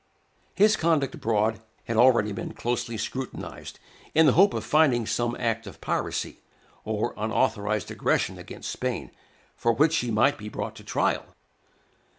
His conduct abroad had already been closely scrutinized, in the hope of finding some act of piracy, or unauthorized aggression against Spain, for which he might be brought to trial.